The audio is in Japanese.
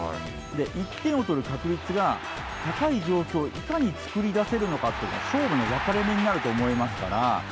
１点を取る確率が高い状況、いかに作り出せるのかというのが勝負の分かれ目になると思いますから。